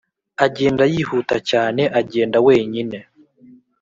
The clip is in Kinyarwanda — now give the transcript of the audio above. agenda yihuta cyane agenda wenyine.